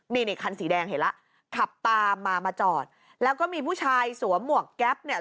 นี่นี่คันสีแดงเห็นแล้วขับตามมามาจอดแล้วก็มีผู้ชายสวมหมวกแก๊ปเนี่ย